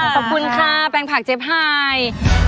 ขอบคุณค่ะแปลงผักเจฟไฮ